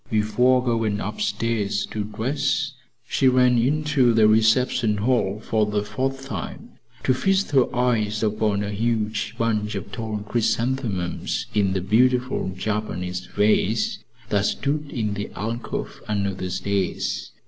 Before going upstairs to dress, she ran into the reception hall for the fourth time to feast her eyes upon a huge bunch of tall chrysanthemums in the beautiful Japanese vase that stood in the alcove under the stairs.